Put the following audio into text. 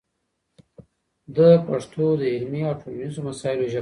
ده پښتو د علمي او ټولنيزو مسايلو ژبه کړه